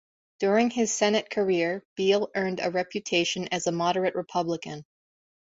During his Senate career, Beall earned a reputation as a moderate Republican.